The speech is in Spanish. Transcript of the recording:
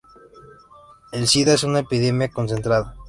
El sida es una epidemia concentrada.